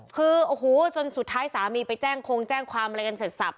คือโอ้โหจนสุดท้ายสามีไปแจ้งคงแจ้งความอะไรกันเสร็จสับ